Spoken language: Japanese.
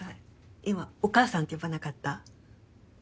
今お母さんって呼ばなかった？